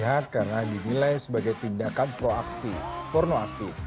setiap pihak karena dinilai sebagai tindakan proaksi pornoaksi